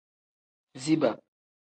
Ziba.